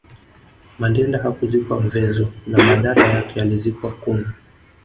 Mandela hakuzikwa Mvezo na badala yake alizikwa Qunu